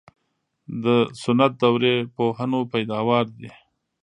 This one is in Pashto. د سنت دورې پوهنو پیداوار دي.